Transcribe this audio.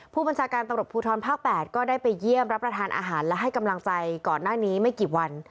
ผู้บัญชาการตำรวจภูทรภาค๘ก็ได้ไปเยี่ยมรับประทานอาหารและให้กำลังใจก่อนหน้านี้ไม่กี่วัน